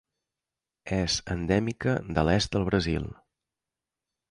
És endèmica de l'est del Brasil.